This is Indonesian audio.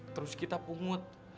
terus kita pungut